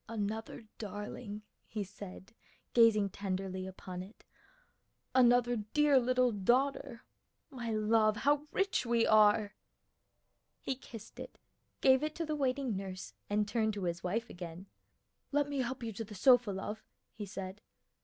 "Another darling," he said gazing tenderly upon it, "another dear little daughter! My love, how rich we are!" He kissed it, gave it to the waiting nurse, and turned to his wife again. "Let me help you to the sofa, love," he said.